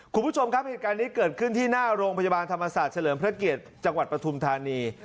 คุณผู้ชมครับเหตุการณ์นี้เกิดขึ้นที่หน้าโรงพยาบาลธรรมศาสตร์เฉลิมพระเกียรติจังหวัดปฐุมธานี